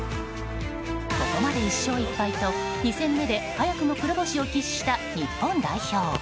ここまで１勝１敗と２戦目で早くも黒星を喫した日本代表。